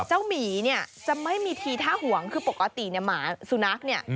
หมีเนี่ยจะไม่มีทีท่าห่วงคือปกติเนี่ยหมาสุนัขเนี่ย